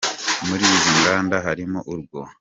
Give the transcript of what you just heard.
Muri izo nganda harimo urwa .